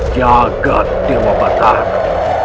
jaga dewa batara